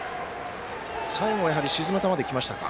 最後は沈む球で来ました。